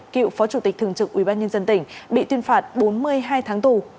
cựu phó chủ tịch thường trực ubnd tỉnh bị tuyên phạt bốn mươi hai tháng tù